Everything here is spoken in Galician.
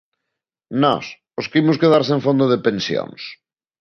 Nós, os que imos quedar sen fondo de pensións.